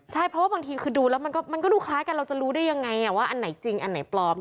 ใช่เพราะว่าบางทีคือดูแล้วมันก็ดูคล้ายกันเราจะรู้ได้ยังไงว่าอันไหนจริงอันไหนปลอม